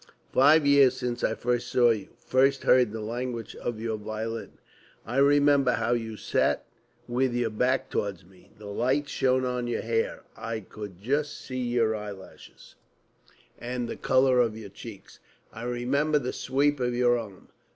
Five years since I first saw you, first heard the language of your violin. I remember how you sat with your back towards me. The light shone on your hair; I could just see your eyelashes and the colour of your cheeks. I remember the sweep of your arm....